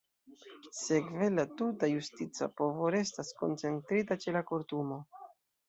Sekve la tuta justica povo restas koncentrita ĉe la Kortumo.